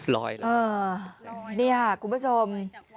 รอยหรือเปล่ารอยรอยรอยจากวัดไปนี่คุณผู้ชม